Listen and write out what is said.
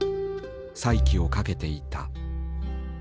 再起を懸けていた。